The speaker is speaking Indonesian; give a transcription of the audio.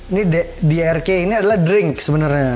ini drq ini adalah drink sebenarnya